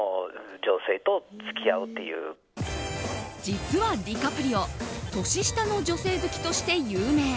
実は、ディカプリオ年下の女性好きとして有名。